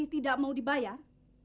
saya tidak mau dibayar